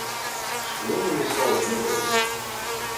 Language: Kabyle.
Ccwi imi ssawḍen ad rewlen.